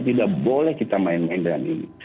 tidak boleh kita main main dengan ini